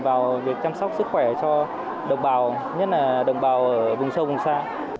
vào việc chăm sóc sức khỏe cho đồng bào nhất là đồng bào vùng sâu vùng xa